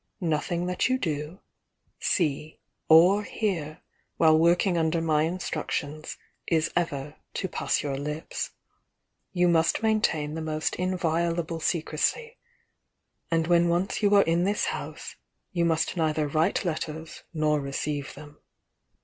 Nothing that you do, see, or hear while working un der my instructions is ever to pass your lips. You must maintain the most inviolable secrecy, and when once you are in this house you must neither write letters nor receive them.